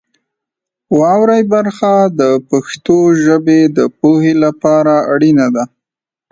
واورئ برخه د پښتو ژبې د پوهې لپاره اړینه ده.